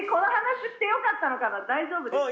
大丈夫ですか？